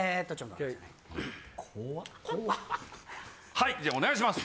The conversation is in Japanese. はいじゃあお願いします。